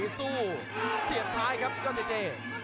สู้เสียบท้ายครับยอดเจเจ